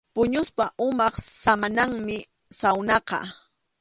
Puñuspa umap samananmi sawnaqa.